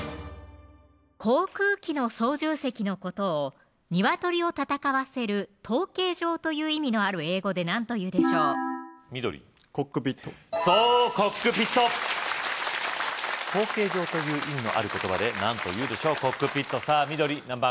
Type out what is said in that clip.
航空機の操縦席のことを鶏を戦わせる「闘鶏場」という意味のある英語で何というでしょう緑コックピットそうコックピット「闘鶏場」という意味のある言葉で何というでしょうコックピットさぁ緑何番？